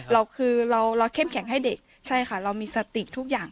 เราคือเราเข้มแข็งให้เด็กใช่ค่ะเรามีสติทุกอย่าง